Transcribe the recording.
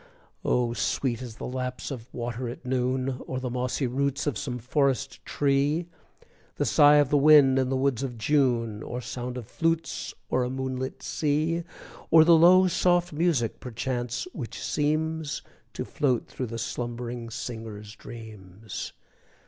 Oh, sweet as the lapse of water at noon O'er the mossy roots of some forest tree, The sigh of the wind in the woods of June, Or sound of flutes o'er a moonlight sea, Or the low soft music, perchance, which seems To float through the slumbering singer's dreams.